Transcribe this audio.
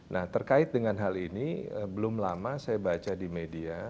nah terkait dengan hal ini belum lama saya baca di media